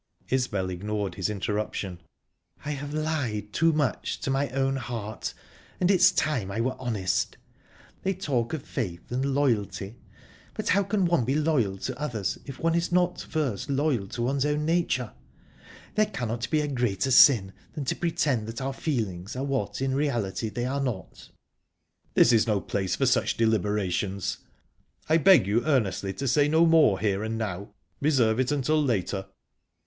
Isbel ignored his interruption. "I have lied too much to my own heart, and it's time I were honest. They talk of faith and loyalty, but how can one be loyal to others if one is not first loyal to one's own nature? There cannot be a greater sin than to pretend that our feelings are what in reality they are not." "This is no place for such deliberations. I beg you earnestly to say no more here and now. Reserve it until later."